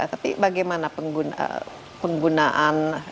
tapi bagaimana penggunaan